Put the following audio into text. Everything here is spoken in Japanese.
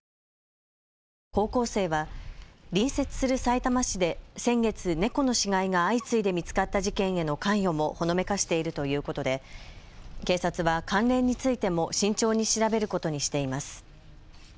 高校生は隣接するさいたま市で先月、猫の死骸が相次いで見つかった事件への関与もほのめかしているということで警察は関連についても慎重に調べることにしています。